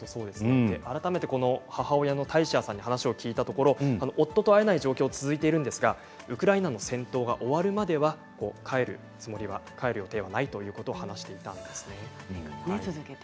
改めて母親のタイシアさんに話を聞いたところ夫と会えない状況は続いているんですがウクライナの戦闘が終わるまでは帰るつもりはないということを話していました。